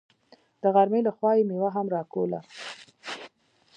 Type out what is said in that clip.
د غرمې له خوا يې مېوه هم راکوله.